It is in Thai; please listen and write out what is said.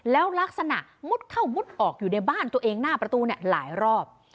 แล้วลักษณะมุดเข้ามุดออกอยู่ในบ้านตัวเองหน้าประตูเนี่ยหลายรอบ